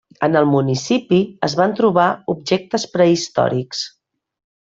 En el municipi es van trobar objectes prehistòrics.